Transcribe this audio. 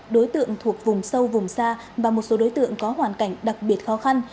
đối tượng thuộc vùng sâu vùng xa và một số đối tượng có hoàn cảnh đặc biệt khó khăn